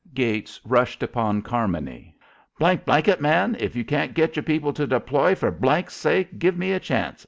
Gates rushed upon Carmony. " it, man, if you can't get your people to deploy, for sake give me a chance!